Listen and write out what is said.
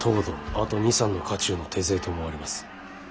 あと２３の家中の手勢と思われます。